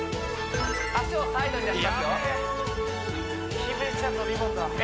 足をサイドに出しますよ